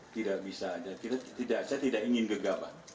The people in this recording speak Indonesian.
tidak bisa saya tidak ingin gegaban